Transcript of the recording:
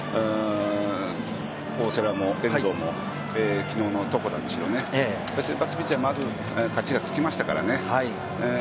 大瀬良も昨日の遠藤、床田もですよね、先発ピッチャーはまず勝ちがつきましたからね。